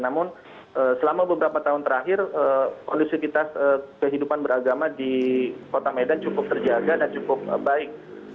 namun selama beberapa tahun terakhir kondusivitas kehidupan beragama di kota medan cukup terjaga dan cukup baik